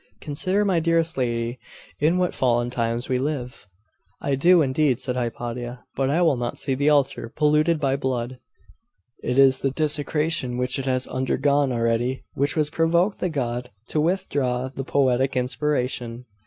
Consider, my dearest lady, in what fallen times we live!' 'I do, indeed!' said Hypatia. 'But I will not see the altar polluted by blood. It is the desecration which it has undergone already which has provoked the god to withdraw the poetic inspiration.